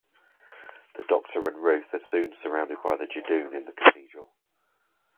The Doctor and Ruth are soon surrounded by the Judoon in the cathedral.